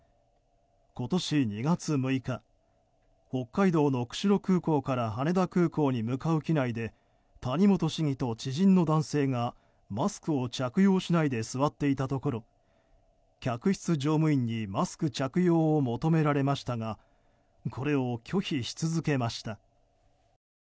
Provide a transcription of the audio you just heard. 今年２月６日北海道の釧路空港から羽田空港に向かう機内で谷本市議と知人の男性がマスクを着用しないで座っていたところ客室乗務員にマスク着用を求められましたがこれを拒否し続けました。